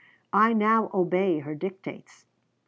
I now obey her dictates."